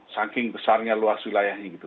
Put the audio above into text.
saking besarnya luas wilayahnya gitu